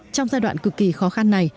trong giai đoạn cực kỳ khó khăn này